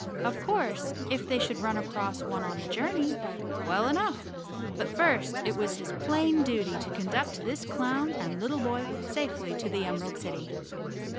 Of course, if they should run across one on the journey, well enough, but first it was his plain duty to conduct this clown and little boy safely to the Emerald City.